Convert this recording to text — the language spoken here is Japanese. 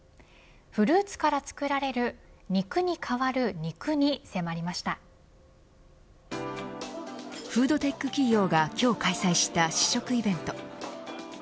フルーツから作られるフードテック企業が今日開催した試食イベント。